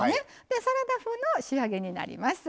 でサラダ風の仕上げになります。